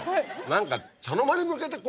何か。